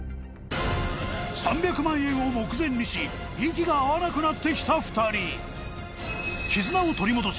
３００万円を目前にし息が合わなくなって来た２人絆を取り戻し